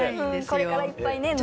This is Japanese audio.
これからいっぱいね乗って。